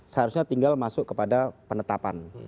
seharusnya tinggal masuk kepada penetapan